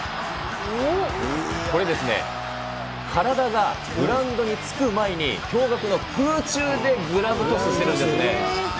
これですね、体がグラウンドにつく前に、驚がくの空中でグラブトスしてるんですね。